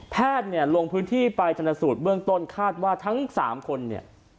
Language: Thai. แพทย์เนี่ยลงพื้นที่ไปชนสูตรเบื้องต้นคาดว่าทั้ง๓คนเนี่ย